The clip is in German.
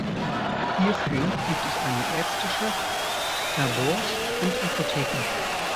Hierfür gibt es eine Ärzteschaft, Labors und Apotheken.